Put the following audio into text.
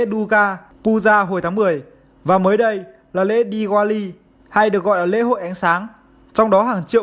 duga puza hồi tháng một mươi và mới đây là lễ diwali hay được gọi là lễ hội ánh sáng trong đó hàng triệu